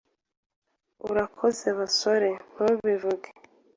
"Urakoze, basore." "Ntubivuge."